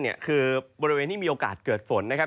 คือบริเวณที่มีโอกาสเกิดฝนนะครับ